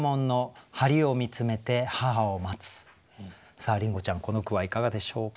さありんごちゃんこの句はいかがでしょうか？